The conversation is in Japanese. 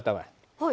はい。